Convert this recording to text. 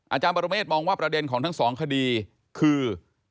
อาจารย์ปรเมฆมองว่าประเด็นของทั้งสองคดีคือ